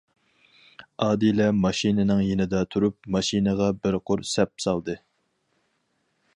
ئادىلە ماشىنىنىڭ يېنىدا تۇرۇپ، ماشىنىغا بىر قۇر سەپ سالدى.